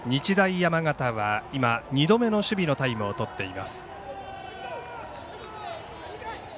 山形は今、２度目の守備のタイムをとっています。